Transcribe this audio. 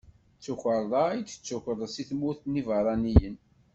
D tukerḍa i yi-d-ukren si tmurt n Iɛebṛaniyen.